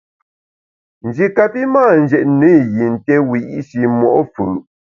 Nji kapi mâ njetne i yin té wiyi’shi mo’ fù’.